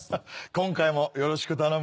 今回もよろしく頼むね。